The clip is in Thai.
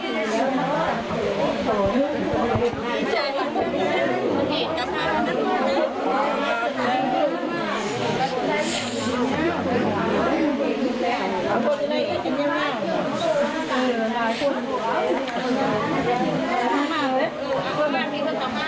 มือมันมีใจมันเห็นกับภาพมันตัวเนี้ย